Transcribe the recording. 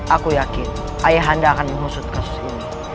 aku yakin ayah anda akan mengusut kasus ini